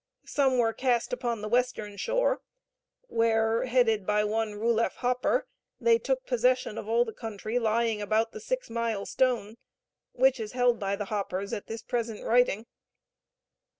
Some were cast upon the western shore, where, headed by one Ruleff Hopper, they took possession of all the country lying about the six mile stone, which is held by the Hoppers at this present writing.